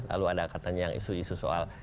lalu ada katanya yang isu isu soal